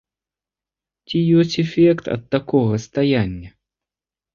Ці ёсць эфект ад такога стаяння?